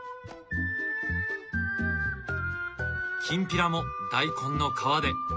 きんぴらも大根の皮で。